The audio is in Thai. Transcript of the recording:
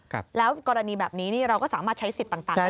ครับแล้วกรณีแบบนี้เราก็สามารถใช้สิทธิ์ต่างได้เหมือนกัน